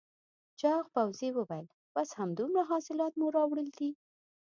چاغ پوځي وویل بس همدومره حاصلات مو راوړل دي؟